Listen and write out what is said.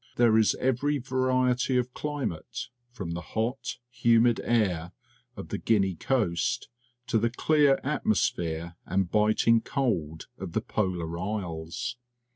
There is every variety of climate, from the hot, humid air of the Guinea Coast to the clear atmosphere and biting cold of the Polar Isles.